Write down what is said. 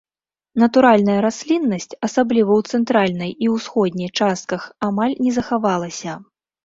Натуральная расліннасць, асабліва ў цэнтральнай і ўсходняй частках, амаль не захавалася.